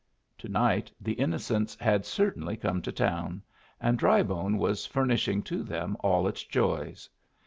To night the innocents had certainly come to town, and Drybone was furnishing to them all its joys.